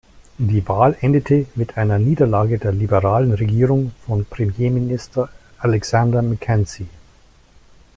Die Wahl endete mit einer Niederlage der liberalen Regierung von Premierminister Alexander Mackenzie.